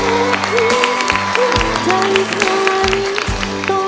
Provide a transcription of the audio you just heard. เพื่อใจใจ